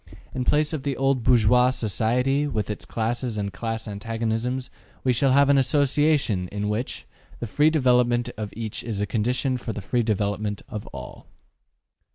In place of the old bourgeois society, with its classes and class antagonisms, we shall have an association, in which; the free development of each is the condition for the free development of all.